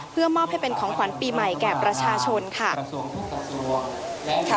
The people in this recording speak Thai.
เพื่อมอบให้เป็นของขวัญปีใหม่แก่ประชาชนค่ะ